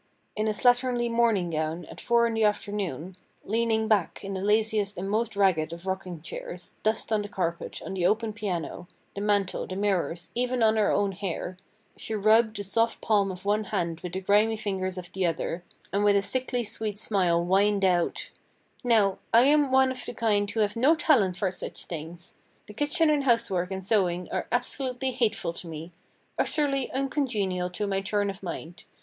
In a slatternly morning gown at four in the afternoon, leaning back in the laziest and most ragged of rocking chairs, dust on the carpet, on the open piano, the mantel, the mirrors, even on her own hair, she rubbed the soft palm of one hand with the grimy fingers of the other, and with a sickly sweet smile whined out— "Now, I am one of the kind who have no talent for such things! The kitchen and housework and sewing are absolutely hateful to me—utterly uncongenial to my turn of mind.